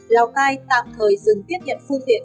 lào cai tạm thời dừng tiết hiện phương tiện